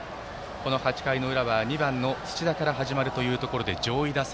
８回の裏は２番の土田から始まるということで上位打線。